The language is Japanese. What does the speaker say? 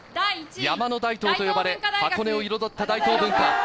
山の大東と呼ばれ、箱根を彩った大東文化。